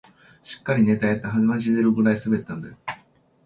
しっかりネタやって鼻血出るくらい滑ったんだよ